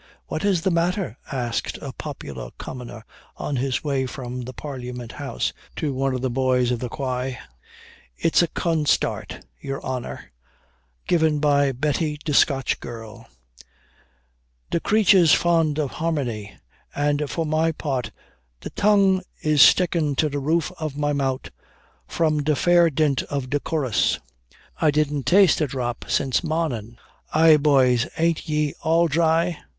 "What is the matter?" asked a popular commoner, on his way from the parliament house, to one of the boys of the Quay; "It's a consart, yer honor, given by Betty de Scotch girl; de creature's fond o' harmony; and for my part, de tung is stickin' to de roof of my mout from de fair dint of de corus! I didn't taste a drop since mornin'. Ay boys, aint ye all dry?"